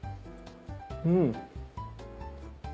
うん。